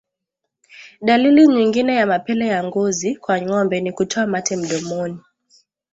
Dalili nyingine ya mapele ya ngozi kwa ngombe ni kutoa mate mdomoni